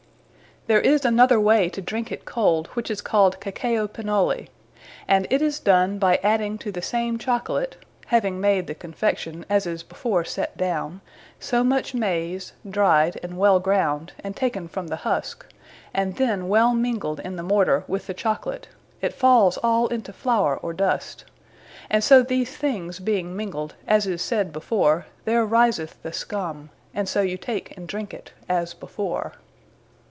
There is another way to drinke it cold, which is called Cacao Penoli; and it is done, by adding to the same Chocolate (having made the Confection, as is before set downe) so much Maiz, dryed, and well ground, and taken from the Huske, and then well mingled in the Morter, with the Chocolate, it falls all into flowre, or dust; & so these things being mingled, as is said before, there riseth the Scum; and so you take and drink it, as before.